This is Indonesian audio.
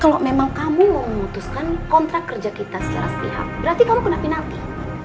kalau memang kamu mau memutuskan kontrak kerja kita secara sepihak berarti kamu kena penalti